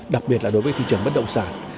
đặc biệt là đối với thị trường bất động sản